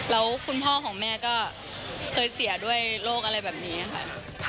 แล้วคุณพ่อของแม่ก็เคยเสียด้วยโรคอะไรแบบนี้ค่ะ